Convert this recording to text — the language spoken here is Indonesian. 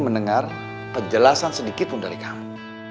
mendengar penjelasan sedikit pun dari kamu